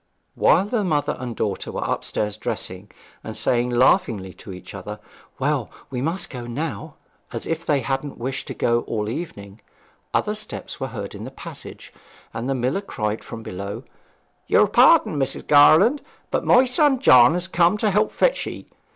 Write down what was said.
While the mother and daughter were upstairs dressing, and saying laughingly to each other, 'Well, we must go now,' as if they hadn't wished to go all the evening, other steps were heard in the passage; and the miller cried from below, 'Your pardon, Mrs. Garland; but my son John has come to help fetch ye.